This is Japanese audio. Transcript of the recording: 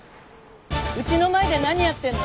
うちの前で何やってるの？